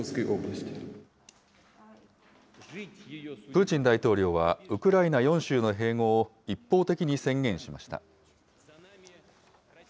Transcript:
プーチン大統領は、ウクライナ４州の併合を一方的に宣言しました。